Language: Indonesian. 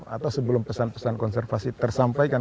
atau sebelum pesan pesan konservasi tersampaikan